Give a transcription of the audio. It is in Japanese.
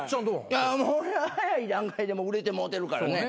いや俺は早い段階でもう売れてもうてるからね。